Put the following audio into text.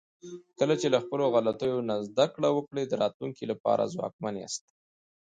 کله چې له خپلو غلطیو نه زده کړه وکړئ، د راتلونکي لپاره ځواکمن یاست.